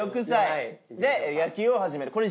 ６歳で野球を始める。